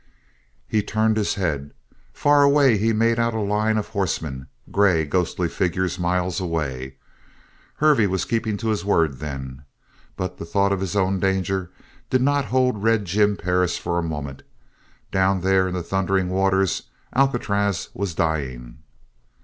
He turned his head. Far away he made out a line of horsemen grey, ghostly figures miles away. Hervey was keeping to his word, then. But the thought of his own danger did not hold Red Jim Perris for a moment. Down there in the thundering water Alcatraz was dying!